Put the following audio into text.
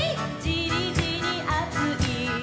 「じりじりあつい」